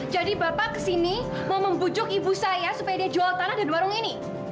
jadi bapak kesini mau membujuk ibu saya supaya dia jual tanah dan warung ini